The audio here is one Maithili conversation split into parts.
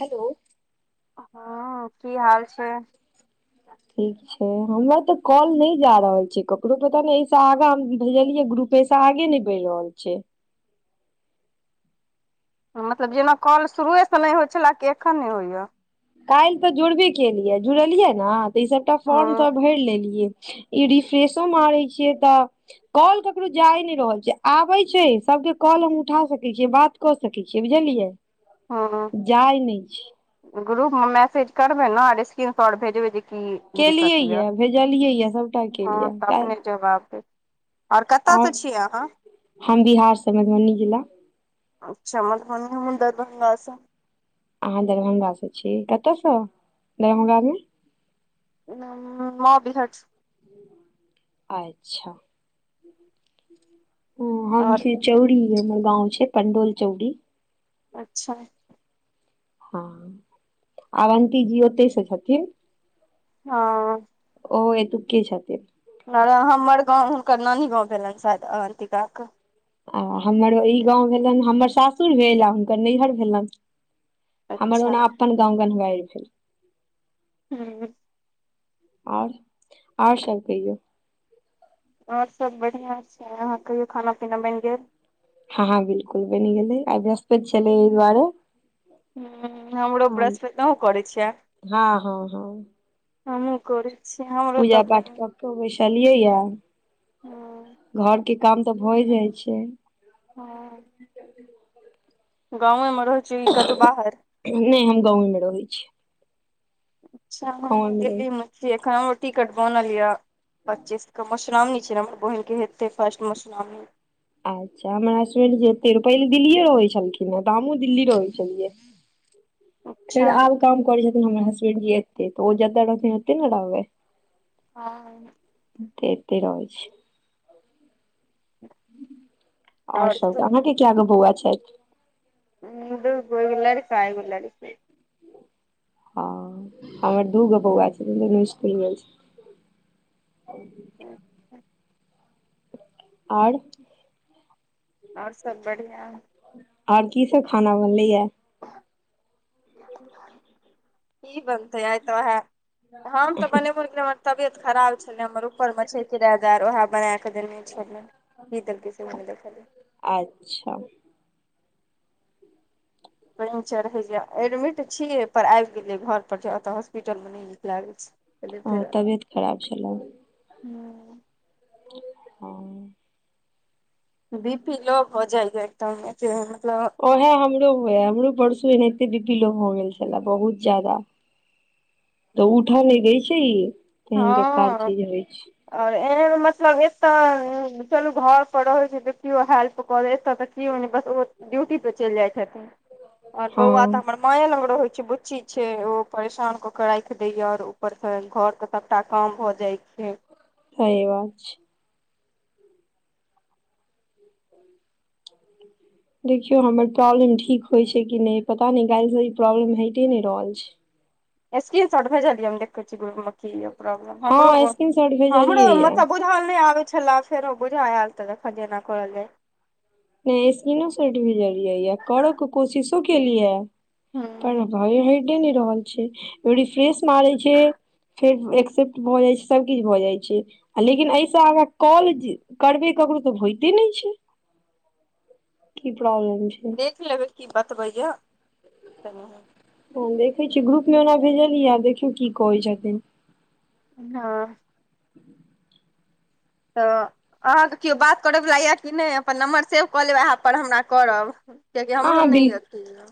हेलो हँ की हाल छै ठीक छै हम्मे तऽ काॅल नहि जा रहल छै ककरो पता नहि अय स आगा हम भेजलियै ग्रुप ताई से आगे नहि बयढ़ रहल छै मतलब जेना कल शुरुएसँ नहि होइ छलए कि एखन नहि होइए काल्हि तऽ जुड़बे केलियै जुड़लियै ने तऽ ई सभटा फॉर्म त हँ भरि लेलियै ई रिफ्रेशो मारे छियै तऽ कॉल ककरो जाये नै रहल छै आबे छैय सबके कॉल हम उठा सकैत छियै बात कऽ सकै छियै बुझलियै हं जाइ नहि छै हं ग्रुप मे मैसेज करबै न स्क्रीन शॉट भेजबै जे की की केलियै दिक्कत या ये भेजलियै ये सबटा हँ केलियै तऽ अपने काल्हि क जवाब दे आओर कतयसँ छियै अहाँ हम बिहारसँ मधुबनी जिला अच्छा मधुबनी हम दरभंगा स अहाँ दरभंगा स छी कतय से दरभंगा मे मॉबी हटस अच्छा ओ हम आओर छी चौरी हमर गाँंव छै पंडोल चौरी अच्छा हँ आवन्ती जी ओतै स छथिन हँ ओ एतुके छथिन अरे हमर गाँव हूनकर नानी गाँव भेलनि अवन्तिका क आ हमर ई गाँव भेलनि हमर सासुर भेल आ हुनकर नैहर भेलनि हमर अच्छा ओना अपन गाँव घनवारि भेल हुँ आओर आओर सब कहियौ आओर सब बढ़ियाँ छै अहाँ कहियो खाना पीना बनि गेल हँ हँ बिल्कुल बनि गेलै आय बृहस्पति छलै एहि दुआरे हुँ हमरो ब्रहस्पति अहुँ करै छियै। हँ हँ हँ हमहुँ करै छियै हमरो पूजा तऽ पाठ बहिन कऽ कऽ बैसलियै ये हँ घर के काम तऽ भए जाइ छै हँ गाँवेमे रहैत छियै ई कतहु बाहर नय हम गावें मे रहै छीयै। अच्छा हमहुँ दिल्लि मे छी एखन हमरो टिकट बनल य पच्चीस क मुश्रामनी छै न हमर बहिनके हेतै फर्स्ट मुश्रावणी अच्छा हमर हसबेंड जी एतै रह पहिले दिल्लीए रहै छलखिन हें तऽ हमहुँ दिल्ली रहै छलियै फेर अच्छा आब काम करै छथिन हमर हसबेंड जी एतै तऽ ओ जतऽ रहथिन ओते न रहबै। हँ तऽ एतै रहै छै। आओर सबके अहाँके कै गो बौआ छथि। दुगो एगो लड़का एगो लड़की हँ हमर दूगो बौआ छै दुनू स्कुल गेल छै। [inaudible] आओर आओर सब बढ़ियाँ आओर की सब खाना बनलेैये की बनतै आय तऽ वैहे हम तऽ बनेबो नय हमर तबियत खराब छलै हमर ऊपर मे छै किरायेदार ओहे बना कऽ देने छलै की दलके सेहो नय देखलियै अच्छा पानि चरहै छै एडमिट छियै पर आबि गेलियै घर पर की ओतय हॉस्पिटलमे नय नीक लागै छै। कहलियै ओ तबियत खराब छले। हुँ। हँ बी पी लो भ जाइया एकदम मे फर मतलब ओहे हमरो हुए हमरो परसो एनाहिते बी पी लो भऽ गेल छेला बहुत ज्यादा तऽ उठा नैय दै छै इ हं और एहन मतलब एतय चलू घर पर रहै छै तऽ कियो हेल्प करै एतय तऽ कीयो नैय बस ओ ड्यूटी पर चैल जाय छथिन और बौआ तऽ हँ हमर माये लंग रहै छै बुच्ची छै ओ परेशान क के राख देैय या और ऊपर से घर क सबटा काम भऽ जाय छै सही बात छै [inaudible] देखियो हमर प्रॉब्लम ठीक होय छै कि नैय पता नैय कैल से ई प्रॉब्लम हैटे नैय रहे छै स्क्रीन शॉर्ट भेजलिये हम देखे छीयै की या प्रोब्लम हमरो हँ स्क्रीन शॉट -हमरो भेजलियै या मतलब बू बुझल नै आबेै छेला फेरो बुझाय आयल तऽ देखलियै एना करल जाय नैय स्कृनोशोट भेजलियै या करऽ के कोशिशो केलियै हूँ पर हं हेैटे नै रहल छै रीफ्रेश मारेै छैय फेर एक्सेप्ट भऽ जाय छै सब किछ भऽ जाय छै लेकिन ऐय स आगा काॅल करबेै ककरो तऽ होयते नैय छै की प्रोब्लम छैय देख लेबै की बतबैया कनि ओ देखै छियै ग्रुप मे ओना भेजलियै या देखियौ की कहै छथिन ह [inaudible] तऽ आहाँ के केयो बात करैयवला या कि नैय अपन नम्बर सेव कऽ लेब उएहपर हमरा करब कियकि हँ हमरो हँ नै बिल्कुल अथी यए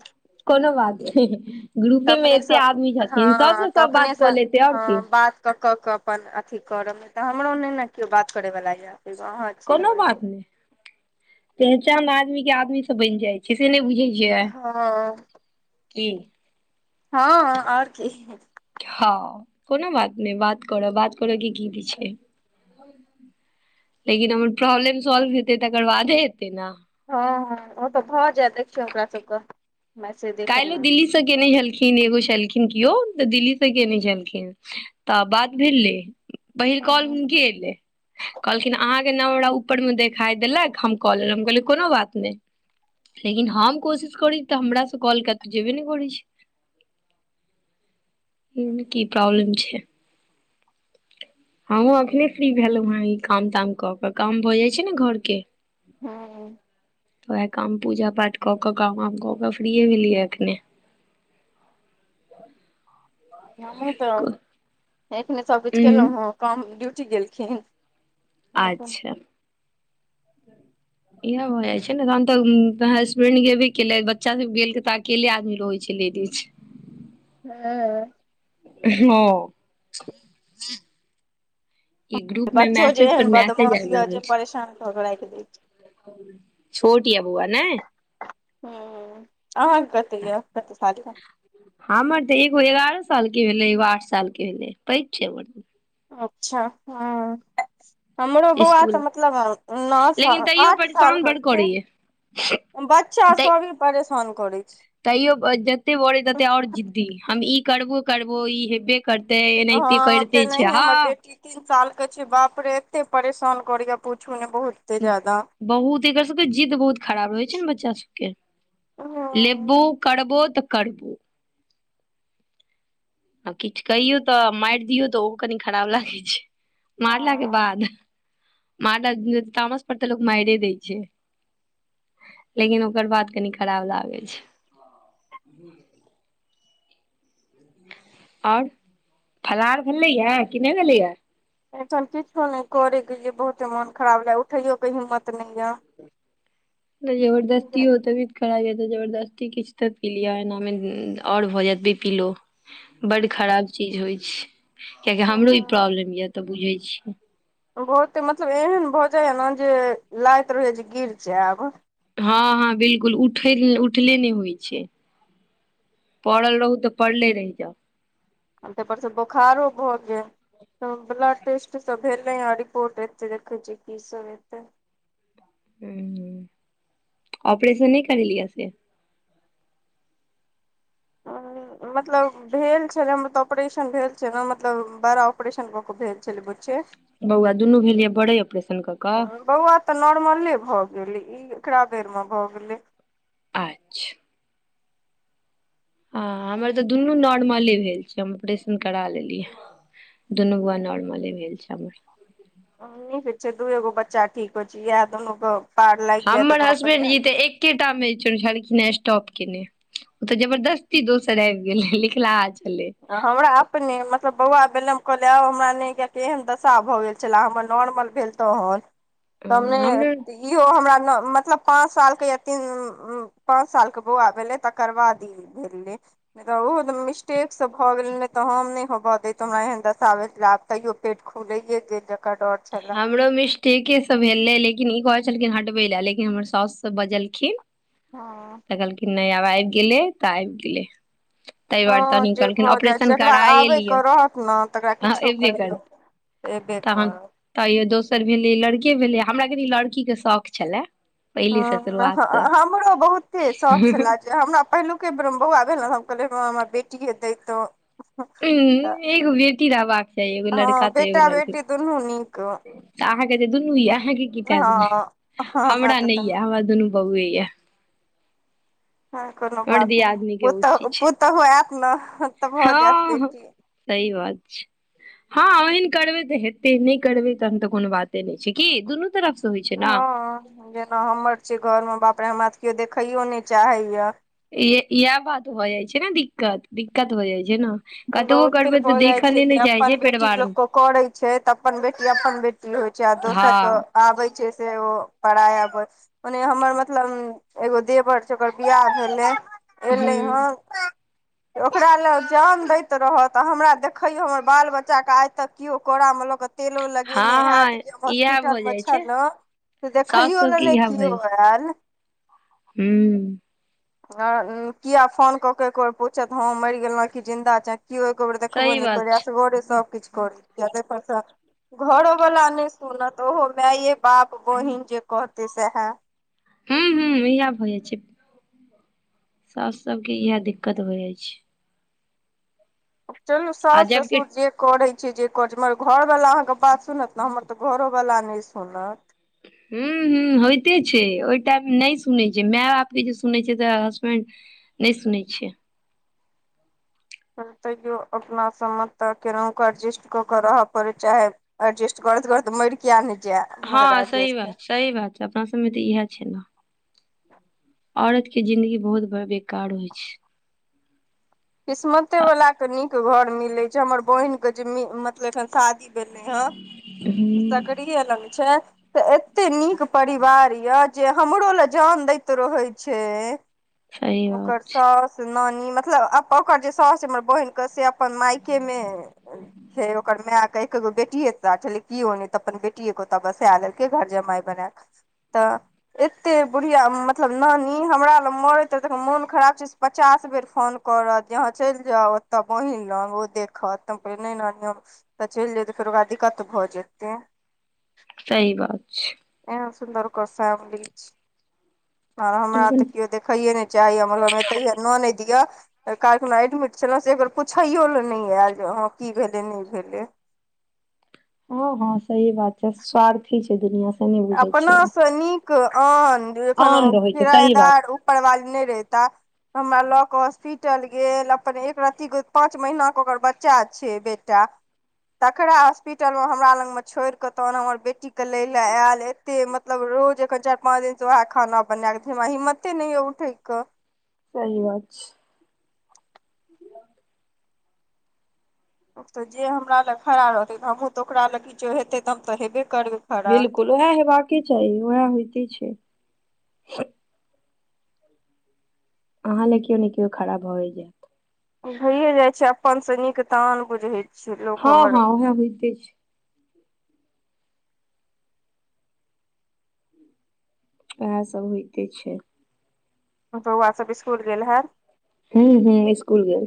कोनो बात नैय ग्रुपे मे अपनेसँ एते आदमी छथिन सब हँ स सब बात कऽ लेते और की क कऽ के अपन अथी करऽ तऽ हमरो नै ने कियो बात करै वाला याएगो आहाँ कोनो बात नैय पहचान आदमी के आदमी स बैन जाय छै से नै बुझे यै हँ की ह और की ह कोनो बात नैय बात करब बात करऽ के की दैय छै लेकिन हमर प्रॉब्लम सॉल्व हेतै तकर बादे हेतै न ह ह ओ तऽ भऽ जेऽत देखियौ ओकरा सब क कैल्हो दिल्ली से केने छेलखिन एगो छलखिन केओ तऽ दिल्ली से केने छेलखिन तऽ बात भेलै पहिल कॉल हँ हुनके एलै कहलखिन आहाँ के नव ऊपर मे देखाय देलक हम कऽ लेलो हम कहलियै कोनो बात नैय लेकिन हम कोशिश करी तऽ हमरा त काॅल कतै जेबे नेै करै छै कि प्रब्लम छै हमहूँ अखने फ्री भेलौ हेँ ई काम ताम कऽ के काम भऽ जाय छै ने घर के हूँ वयेह काम पूजा पाठ कऽ क काम -वाम कऽ क फ्रीे ये भेलियै या एखने हमूँतऽ एखने सब किछ उं केलौ हेँ पाहुन ड्यूटी गेलखिन हँ आच्छा इह हो जाय छै ने तहन तऽ हसबेंड गेबे के लै बच्चा सब गेल ता अकेले आदमी रहै छै लेडीज हँ हँ ई ग्रुपमे बच्चो जे मैसेज एहन पर मैसेज बदमाश आबि यए रहल जे परेशान कऽ कऽ राखि छै दै छै छोट या बौआ नय हुँ आहाँ केँ कते य कते साल कऽ हमर तऽ एगो एगारह साल केँ भेलै एगो आठ साल केँ भेलै पैघ छै हमर अच्छऽ हुँ हमरो बौआ तऽ स्कुल मतलब नो लेकिन साल तैयो आठ साल परेशान कऽ बड़ करैये छै बच्चा तै सभे परेशान करै छै तैयो जते बरैत तते आओर जिद्दी हम ई करबो करबो ई हेबे करते एनाहिते हँ करिते तेनाही छै हँ हमर बेटी तीन साल केँ छै बाप रे एते परेशान करैय पूछू नय बहुते जादा बहुत एकर सब केँ जिद्द बहुत खराब रहै छै नऽ बच्चा सब केँ हँ लेबू कड़बो तऽ कड़बो आ किछ कहियौ तऽ माइर दियौ तऽ ओहो कनि खराब लागै छै मारला केँ बाद मारलक तामस पर तऽ लोक माइरे दै छै लेकिन ओकर बाद कनि खराब लागै छै आओर फलहार भेलै य कि नय भेलै य एखन किछो नय करे केँ ये बहुते मोन खराब लय उठैयो केँ हिम्मत नय यऽ [inaudible] तऽ जबरदस्तीयो तबियत खराब यऽ तऽ जबरदस्ती किछ तऽ पी लिय एना मे आओर भऽ जायत बी पी लो बड्ड खराब चीज होइ छै कियाकि हमरो ई प्रॉब्लम यऽ तऽ बुझै छी बहुते मतलब एहन भऽ जाइ यऽ नऽ जे लैत रहैय जे गिर जैब हँ हँ बिलकुल उठै उठले नय होइ छै पड़ल रहू तऽ पड़ले रैह जाउ आ तैय पर सँ बोखारो भऽ गेल तऽ ब्लड टेस्टस भेलै हँ रिपोर्ट एतै देखै छियै की सब एतै हुँ ऑपरेशन नय करल यऽ से [unintelligible] मतलब भेल छलै हमर तऽ ऑपरेशन भेल छै नऽ मतलब बारा ऑपरेशन भऽ कऽ भेल छलै बुच्ची बौआ दुनू भेल यऽ बड़े ऑपरेशन कऽ कऽ बौआ तऽ नॉर्मले भऽ गेलै ई एकरा बेर मऽ भऽ गेलै अच्छऽ हँ हमर तऽ दुनू नॉर्मले भेल छै हम ऑपरेशन करा लेलीयै दुनू बैआ नर्मले भेल छै हमर हँ नीक होय छै दूए गो बच्चा ठीक होइ छै इहै दुनू कऽ हम्मर हसबैंड जी तऽ एकेटा मे छ- छलखिन स्टॉप कने उ तऽ जबरदस्ती दोसर आबि गेले लिखलहा छलै हमरा अपने मतलब बौआ भेलै कहलिय आउ हमरा नय कियाकी एहन दशा भऽ गेल छलाह हमर नॉर्मल भेल तहन तमे हमरो इहो हमरा नऽ मतलब पाँच साल केँ या तीन उ पाँंच साल केँ बौआ भेले तकर बाद ई भेले नय तऽ ओहो तऽ मिस्टेक से भऽ गेल नय तऽ हम नइ होबऽ दैत हमरा एहेन दसा भेल छला आब तैयो पेट खुलैेये गेल जकर डर छलए हमरो मिस्टेके सँ भेलै लेकिन ई कहै छलखिन हटबे लऽ लेकिन हमर साउस सब बजलखिन हँ तऽ कहलखिन नय आब आबि गेलै तऽ आबि गेलै ताहि दुआरे हँ तनी जे कहलखिन भऽ जाइ छै ऑपरेशन जकरा कराए लिअ आबयके रहत न तकरा अहाँ किछो एबे करैयौ करत ऐबे तहन करत तैयो दोसर भेलै लड़के भेलै हमरा कनि लड़कीके शौक छलए पहिलेसँ हँ शुरुआतसँ हमरो बहुते शौख छले जे हमरा पहिलुक बेरमे बौआ भेल ने हम कहलियै भगबान हमरा बेटीये दैतौं उंम्म एगो बेटी रहबाक चाही एगो हँ लड़का तऽ एगो बेटा लड़की। बेटी दुनू नीक तऽ अहाँके जे दुनू ये अहाँके के तऽ दुनु ये हँ हमरा तऽ नय देलक ये हमरा दुनू बौये ये हंँ कोनो हमर बात नय दियादनी के पुतौ बुच्ची छै पुतहु एत न हँ सही बात छै हँ वहेन करबै तऽ हेतै नय करबै तहन तऽ कोनो बाते नय छै कि दुनू तरफ से होइ छै ने हँ जेना हमर छियै घर मे बाप रे हमरा तऽ केओ देखैयो नय चाहैय इह इएह बात हो जाइ छै ने दिक्कत दिक्कत हो जाइ छै ने। कतबो बहुते करबै तऽ भऽ जाइत छै देखले ई नहि जाइ अपन छै बेटी परिवार मे लोकके करैत छै तऽ अपन बेटी अपन बेटी। होइ छै आ हँ दोसरके आबै छै से ओ पड़ाया आब ओने हमर मतलब एगो देवर छै ओकर बियाह भेलै। ह एलै हँ ओकरा लए जाम रहत हमरा देखैय हमर बाल बच्चा के आइ तक केओ कोड़ा मे ल के तेल लग गने हँ हयत हँ हम इएह भऽ हॉस्पिटलमे जाइ छै छलहुँ तऽ साउस देखैयो ले सबके नय किओ एल हुँ किया फोन क के एकोर पूछत हँ मरि गेल की जिन्दा छै केओ एको बेर देखबो सही नय बात करै छै असगरे सभकिछु करि आ तै पर सँ घरो वला नय सुनत ओहो मए बाप बहिन जे कहतै सैहे। हुँ हूँ इहे भऽ जाइ छै। साउस सभ सबके इएह दिक्कत होइ जाइ छै। चलू आ सास जबकि ससुर जे करैत छै जे करैत छी मगर घरवला अहाँके बात सुनत ने हमर तऽ घरोवला नय सुनत। हुँ हुँ होइते छै ओहि टाइममे नय सुनै छै माय बापके जे सुनैत छै तऽ हसबैंड नय सुनै छै। तैयो अपना सबमे तऽ केनाहुके एडजेस्ट कऽ के रहय पड़ै चाहे अरजेस्ट करैत करैत यरि किये नय जे हँ मगर सही बात अरजेस्टे सही बात छै अपना सबमे तऽ इहे छै न। औरत के जिंदगी बहुत बेकार होइ छै। किस्मते वाला के नीक घर मिलै छै हमर बहिन के जे मतलब एखन शादी भेलै हँ हूँ सकड़ीये लंग छै से एते नीक परिवार यऽ जे हमरो लए जान दैत रहैत छै। सही ओकर बात छै साउस नानी मतलब ओकर जे साउस हमर बहिनक से अपन मायके मे से ओकर माय के एकेगो बेटीये टा छलै कियो नय तऽ अपन बेटीये के ओत्ता बसा ले। के घर जमाइ बने क तऽ। एतेक बुढ़िया मतलब नानी हमरा लग मरैत रहत एखन मोन खराब छै से पचास बेर फोन करत जहाँ चलि जाउ ओतऽ बान्हिन लग ओ देखत तऽ हम कहलियै नय नानी हम ओतऽ चलि जेबै तऽ फेर ओकरा दिकत भऽ जेतै। सही बात छै। एहेन सुन्दर ओकर फैमिली छै आर हमरा तऽ लेकिन कियो देख इये नय चाहै यऽ हमर घरमे एतैयो ननैद यऽ तऽ काइल खुना एडमिट छलहुँ से एक बेर पुछैयो लेऽ नय आयल जे हँ की भेलै नय भेलै हँ हँ सही बात छै स्वार्थी छै दुनिया से नहि बुझै छै अपनासँ नीक आन एखन ओ आन रहै छै सही बात किरायेदार ऊपर बाली नय रहिता। हमरा लऽ कऽ हॉस्पिटल गेल अपन एक रती गो पाँच महीन कऽ ओकर बच्चा छै बे टा तकरा हॉस्पिटल मऽ हमरा लग मऽ छोइड़ कऽ तहन हमर बेटी कऽ लैय लऽ आयल। एते मतलब रोज एखन चारि पाच दिन सँ ओहै खाना बना कऽ दै हमरा हिम्मते नय होय यऽ उठै कऽ सही बात छै अब तऽ जे हमरा लऽ खड़ा रहतै तऽ हमहूँ तऽ ओकरा लऽ किछो हेतै तऽ हम तऽ हेबे करबै। खड़ा बिलकुल ओहै हेबाकेँ चाही ओहै होइते छैय अहाँ ले केओ ने केओ खरा भऽ ए जैत उ भइए जाय छैय अपन से नीक आन बुजहै हँ हँ ओहा होइते छै ओहै सब होइते छै तहत तऽ बौआ सब इसकुल गेल हैत हुँ हुँ इसकुल गेल